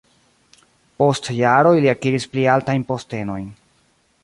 Post jaroj li akiris pli altajn postenojn.